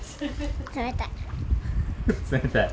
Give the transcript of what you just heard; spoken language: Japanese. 冷たい。